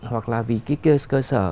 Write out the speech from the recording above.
hoặc là vì cái cơ sở